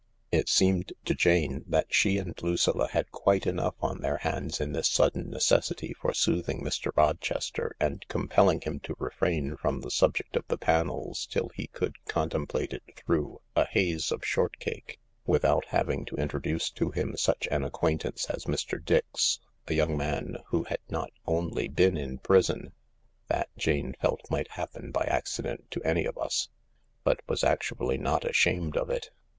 It seemed to Jane that she and Lucilla had qmpe enough on their hands in this sudden necessity for soothing Mr. Roches ter and compelling him to refrain from the subject of the panels till he could contemplate it through a haze of shortcake, without having to introduce to him such an acquaintance as Mr. Dix, a young man who had not only been in prison — that, Jane felt, might happen by accident to any of us — but was actually not ashamed of it.